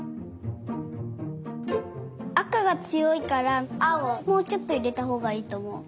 あかがつよいからあおをもうちょっといれたほうがいいとおもう。